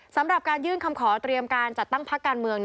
สำหรับการยื่นคำขอเตรียมการจัดตั้งพักการเมือง